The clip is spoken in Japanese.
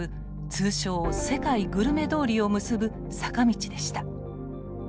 通称「世界グルメ通り」を結ぶ坂道でした。